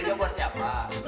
ini yang buat siapa